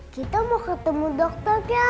kita mau ketemu dokternya